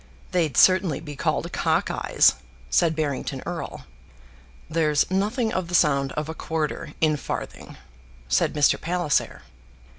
"They'd certainly be called cock eyes," said Barrington Erle. "There's nothing of the sound of a quarter in farthing," said Mr. Palliser.